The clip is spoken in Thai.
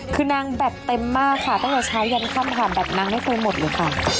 คือนางแบบเต็มมากค่ะตั้งแต่เช้ายันค่ำค่ะแบบนางไม่เคยหมดเลยค่ะ